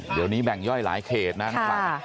เดี๋ยวนี้แบ่งย่อยหลายเขตนะครับ